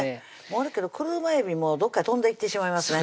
悪いけど車えびもどっかへ飛んでいってしまいますね